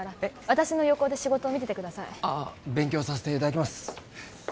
私の横で仕事を見ててくださいああ勉強させていただきます